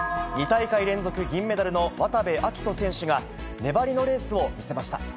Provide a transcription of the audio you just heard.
２大会連続銀メダルの渡部暁斗選手が粘りのレースを見せました。